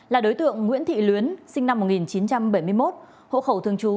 là đối tượng nguyễn thị luyến sinh năm một nghìn chín trăm bảy mươi một hộ khẩu thường trú